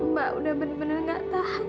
mbak udah bener bener gak tahan